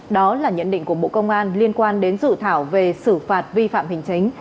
đó là nhận định của bộ công an liên quan đến dự thảo về xử phạt vi phạm hành chính